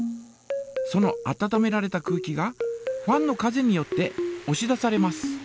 その温められた空気がファンの風によっておし出されます。